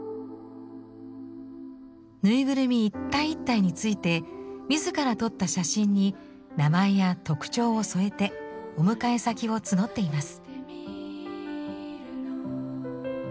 ぬいぐるみ一体一体について自ら撮った写真に名前や特徴を添えてお迎え先を募っています。